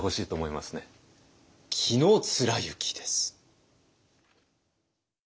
紀貫之です。